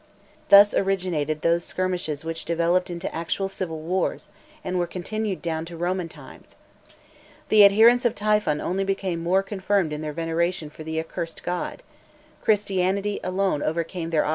Thus originated those skirmishes which developed into actual civil wars, and were continued down to Roman times. The adherents of Typhon only became more confirmed in their veneration for the accursed god; Christianity alone overcame their obstinate fidelity to him.